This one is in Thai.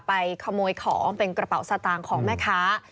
ขโมยของเป็นกระเป๋าสตางค์ของแม่ค้า